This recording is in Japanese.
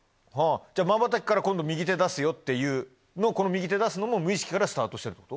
じゃまばたきから今度右手出すよっていうこの右手出すのも無意識からスタートしてるってこと？